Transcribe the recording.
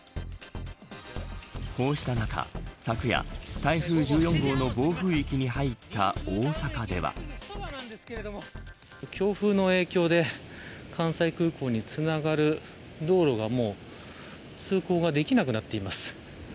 こうした中昨夜、台風１４号の暴風域に強風の影響で関西空港につながる道路が、もう通行ができなくなっています。